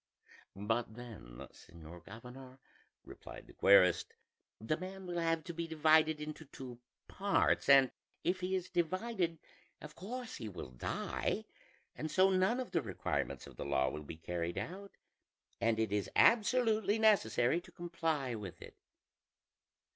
"But then, señor governor," replied the querist, "the man will have to be divided into two parts; and if he is divided, of course he will die; and so none of the requirements of the law will be carried out, and it is absolutely necessary to comply with it."